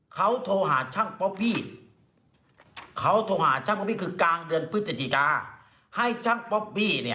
เพราะโทรหาช่างป๊อบพี่เขาจะมาขึ้นตรงเรื่องพฤศจิกายนไต้เนี่ย